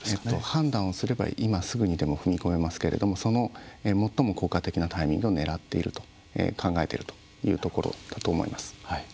判断をすれば今すぐにでも踏み込めますが、最も効果的なタイミングを狙っていると考えていると思います。